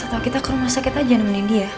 atau kita ke rumah sakit aja nemenin dia